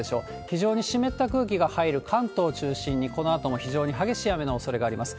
非常に湿った空気が入る関東中心に、このあとも非常に激しい雨のおそれがあります。